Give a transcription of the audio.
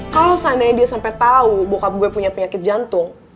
kalau seandainya dia sampai tau bokap gue punya penyakit jantung